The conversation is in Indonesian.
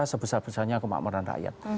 sebesar besarnya kemakmuran rakyat